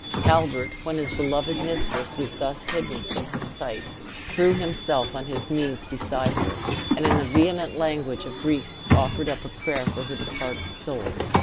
Halbert, when his beloved mistress was thus hidden from his sight, threw himself on his knees beside her, and in the vehement language of grief offered up a prayer for her departed soul.